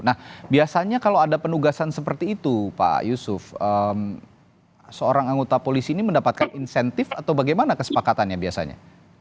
nah biasanya kalau ada penugasan seperti itu pak yusuf seorang anggota polisi ini mendapatkan insentif atau bagaimana kesepakatannya biasanya